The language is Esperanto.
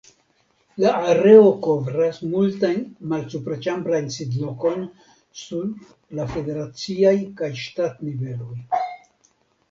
La areo kovras multajn malsupraĉambrajn sidlokojn sur la federaciaj kaj ŝtatniveloj.